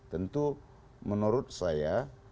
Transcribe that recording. tentu menurut saya